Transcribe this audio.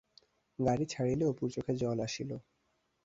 গাড়ি ছাড়িলে অপুর চোখে জল আসিল।